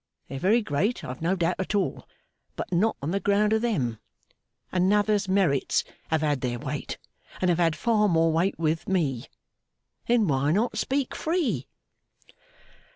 They're very great, I've no doubt at all; but not on the ground of them. Another's merits have had their weight, and have had far more weight with Me. Then why not speak free?